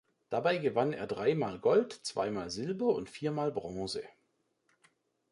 Dabei gewann er dreimal Gold, zweimal Silber und viermal Bronze.